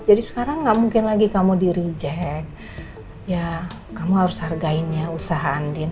jadi sekarang nggak mungkin lagi kamu di reject ya kamu harus hargain ya usaha andin